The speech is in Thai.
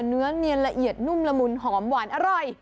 เนื้อเนียนละเอียดนุ่มละมุนหอมหวานอร่อย